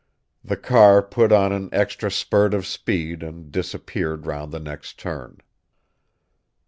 The car put on an extra spurt of speed and disappeared round the next turn.